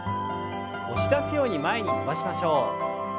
押し出すように前に伸ばしましょう。